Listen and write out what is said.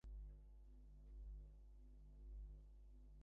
কালুদা, সুবোধকে তার করতে হবে আসবার জন্যে।